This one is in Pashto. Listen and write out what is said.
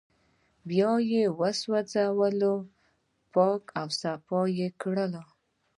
بيا يې وسوځول پاک او صاف يې کړل